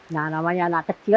nah namanya anak kecil